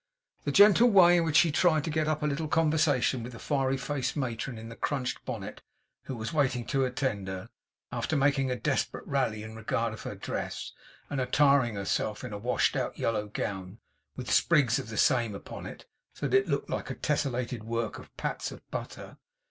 The gentle way in which she tried to get up a little conversation with the fiery faced matron in the crunched bonnet, who was waiting to attend her; after making a desperate rally in regard of her dress, and attiring herself in a washed out yellow gown with sprigs of the same upon it, so that it looked like a tesselated work of pats of butter.